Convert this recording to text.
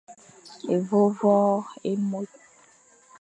Évôvô é môr.